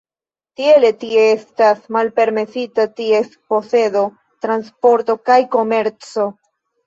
Tiele tie estas malpermesita ties posedo, transporto kaj komerco.